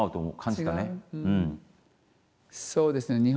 そうですね